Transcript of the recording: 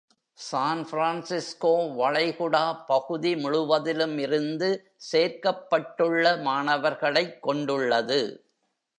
San Francisco வளைகுடா பகுதி முழுவதிலும் இருந்து சேர்க்கப்பட்டுள்ளமாணவர்களைக் கொண்டுள்ளது.